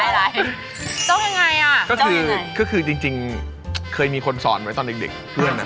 ลองลองลอง๔หนึ่ง